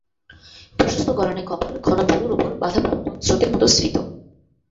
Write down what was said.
প্রশস্ত গড়ানে কপাল ঘন ভ্রূর উপর বাধাপ্রাপ্ত স্রোতের মতো স্ফীত।